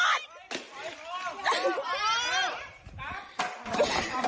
บ้านไหนจะพูดแล้วนะ